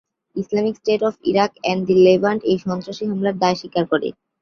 Islamic State of Iraq and the Levant এই সন্ত্রাসী হামলার দায় স্বীকার করে।